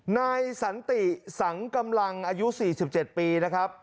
นายสันติสังกำลังอายุ๔๗ปีนะครับ